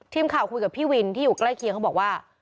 ทีมข่าวคุยกับพี่วินที่อยู่ใกล้เคียงเขาบอกว่า